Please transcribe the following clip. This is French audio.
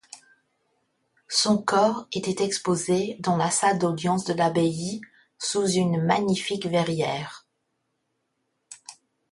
Son corps était exposé dans la salle d'audience de l'abbaye sous une magnifique verrière.